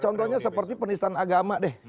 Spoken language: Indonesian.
contohnya seperti penistaan agama deh